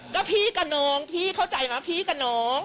ก็พี่กับน้องพี่เข้าใจว่าพี่กับน้อง